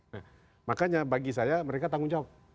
nah makanya bagi saya mereka tanggung jawab